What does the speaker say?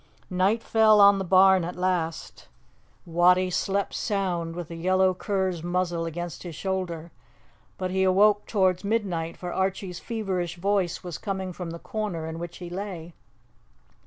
Night fell on the barn at last. Wattie slept sound, with the yellow cur's muzzle against his shoulder; but he awoke towards midnight, for Archie's feverish voice was coming from the corner in which he lay.